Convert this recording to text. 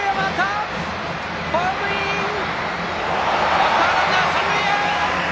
バッターランナー、三塁へ！